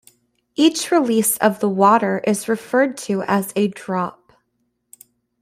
Each release of the water is referred to as a drop.